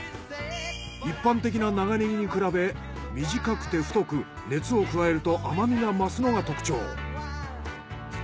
一般的な長ねぎに比べ短くて太く熱を加えると甘みが増すのが特徴。